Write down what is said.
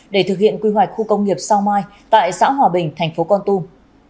để thực hiện quy hoạch khu công nghiệp sao mai tại xã hòa bình thành phố con tum